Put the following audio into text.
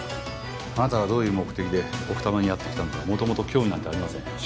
あなたがどういう目的で奥多摩にやってきたのかもともと興味なんてありません。